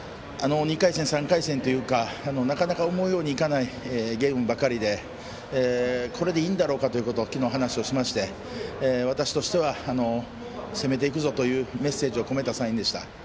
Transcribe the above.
２回戦、３回戦というか思うようにいかないゲームばかりでこれでいいんだろうかと昨日、話をしまして私としては攻めていくぞというメッセージを込めたサインでした。